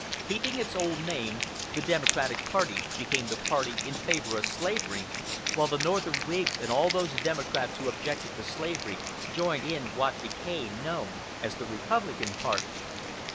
Keeping its old name, the Democratic party became the party in favor of slavery, while the Northern Whigs and all those Democrats who objected to slavery joined in what became known as the Republican party.